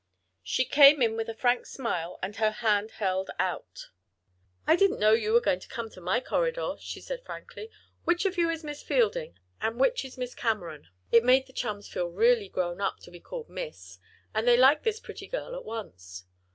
She came in with a frank smile and her hand held out. "I didn't know you were going to come to my corridor," she said, frankly. "Which of you is Miss Fielding, and which is Miss Cameron?" It made the chums feel really grown up to be called "Miss," and they liked this pretty girl at once.